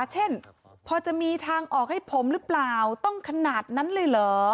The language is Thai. เช่นพอจะมีทางออกให้ผมหรือเปล่าต้องขนาดนั้นเลยเหรอ